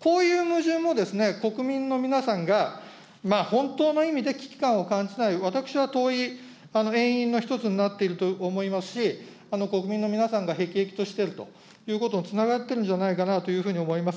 こういう矛盾も、国民の皆さんが、本当の意味で危機感を感じない、私は、遠い遠因の一つになっていると思いますし、国民の皆さんが辟易としているということにつながってるんじゃないかなというふうに思います。